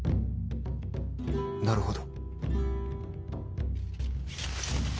なるほど。